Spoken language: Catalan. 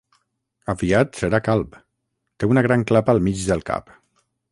Aviat serà calb: té una gran clapa al mig del cap.